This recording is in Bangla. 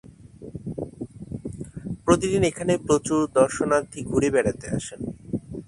প্রতিদিন এখানে প্রচুর দর্শনার্থী ঘুরে বেড়াতে আসেন।